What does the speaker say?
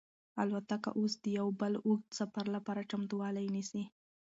الوتکه اوس د یو بل اوږد سفر لپاره چمتووالی نیسي.